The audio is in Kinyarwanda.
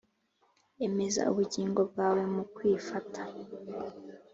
emeza ubugingo bwawe mu kwifata,